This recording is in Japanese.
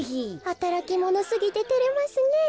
はたらきものすぎててれますねえ。